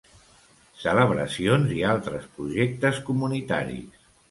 Celebracions i altres projectes comunitaris.